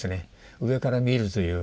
上から見るという。